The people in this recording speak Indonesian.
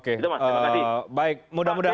itu mas terima kasih